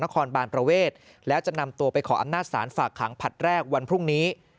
นครบานประเวทแล้วจะนำตัวไปขออำนาจศาลฝากขังผลัดแรกวันพรุ่งนี้